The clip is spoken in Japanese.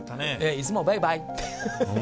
いつも「バイバイ」って。